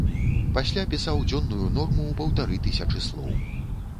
Пасля пісаў дзённую норму ў паўтары тысячы слоў.